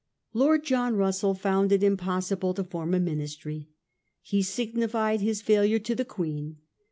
Lord John Russell found it impossible to form a Minis try. He signified his failure to the Queen.